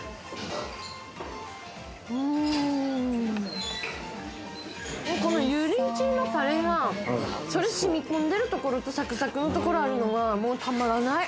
うんこのユーリンチのタレがそれしみこんでるところとサクサクのところあるのがもうたまらない